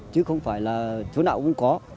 chứ không phải là chỗ nào cũng có